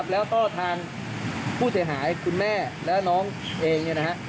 แล้วต้อทางผู้เสียหายคุณแม่และน้องเอง